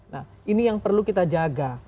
nah ini yang perlu kita jaga